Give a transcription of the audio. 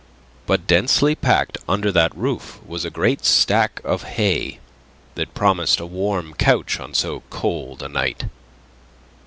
But densely packed under that roof was a great stack of hay that promised a warm couch on so cold a night.